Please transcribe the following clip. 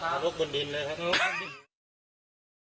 ถ้าเราพูดบางทีเลยครับ